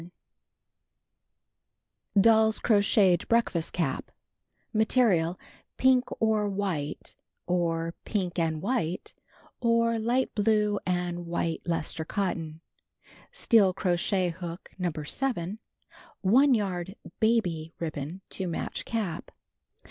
Join last DOLL'S CROCHETED BREAKFAST CAP (See page 87) Material: Pink or white, or pink and white, or light blue and white luster cotton. Steel crochet hook No. 7. 1 yard "baby" ribbon to match cap.